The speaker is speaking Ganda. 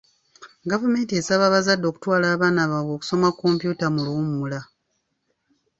Gavumenti esaba abazadde okutwala abaana baabwe okusoma kompyuta mu luwummula.